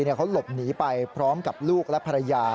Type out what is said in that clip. เขาหลบหนีไปพร้อมกับลูกและภรรยา